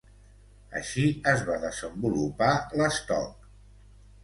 Així es va desenvolupar l'estoc.